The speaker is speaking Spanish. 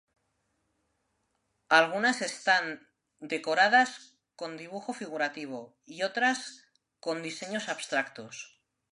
Algunas están decoradas con dibujo figurativo y otras con diseños abstractos.